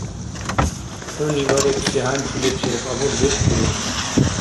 ХӀуни барибси хӀянчиличи кьабулбиркуру?